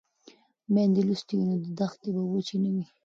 که میندې لوستې وي نو دښتې به وچې نه وي.